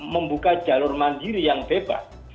membuka jalur mandiri yang bebas